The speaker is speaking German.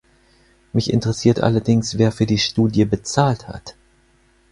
Mich interessiert allerdings, wer für die Studie bezahlt hat.